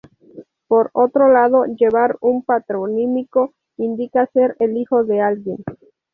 Por otro lado, llevar un patronímico indica ser el hijo de alguien.